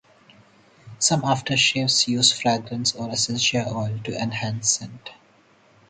Some aftershaves use fragrance or essential oil to enhance scent.